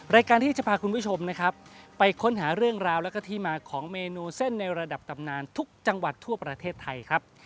รายการที่จะพาคุณผู้ชมนะครับไปค้นหาเรื่องราวแล้วก็ที่มาของเมนูเส้นในระดับตำนานทุกจังหวัดทั่วประเทศไทยครับ